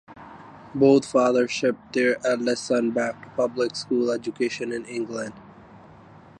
Both fathers shipped their eldest sons back to public school education in England.